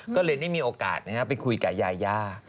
ก็เลยได้มีโอกาสไปคุยกับยายา